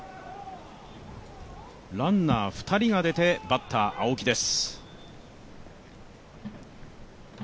ランナー２人が出て、バッターは青木です。